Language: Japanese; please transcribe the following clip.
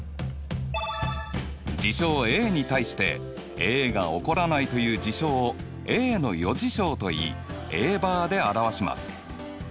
事象Ａに対してＡが起こらないという事象をＡの余事象といいＡバーで表します。